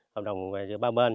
hợp đồng giữa ba bên